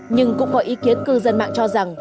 nhưng cũng có ý kiến cư dân mạng cho rằng